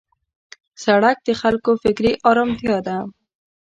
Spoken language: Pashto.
سړک د خلکو فکري آرامتیا ده.